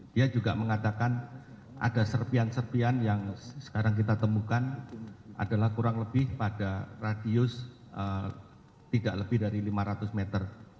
dia juga mengatakan ada serpian serpian yang sekarang kita temukan adalah kurang lebih pada radius tidak lebih dari lima ratus meter